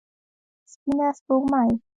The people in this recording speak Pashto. سپينه سپوږمۍ